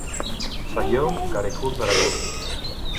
Faió, cara i cul d'Aragó.